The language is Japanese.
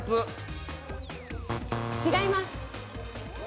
違います。